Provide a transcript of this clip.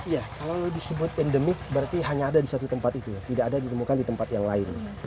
ya kalau disebut endemik berarti hanya ada di satu tempat itu tidak ada ditemukan di tempat yang lain